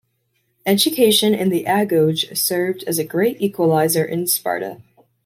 Education in the "agoge" served as a great equalizer in Sparta.